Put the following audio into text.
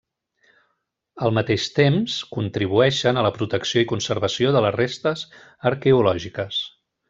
Al mateix temps contribueixen a la protecció i conservació de les restes arqueològiques.